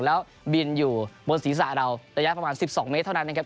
แล้วบินอยู่บนศีรษะเราระยะประมาณ๑๒เมตรเท่านั้นนะครับ